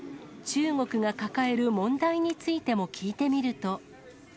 中国が抱える問題についても聞いてみると。